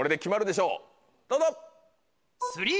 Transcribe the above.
どうぞ。